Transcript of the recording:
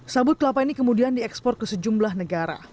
sabut kelapa ini kemudian diekspor ke sejumlah negara